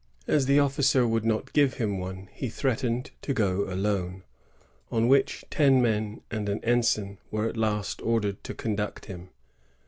As the officer would not give him one, he threatened to go alone, on which ten men and an ensign were at last ordered to conduct him.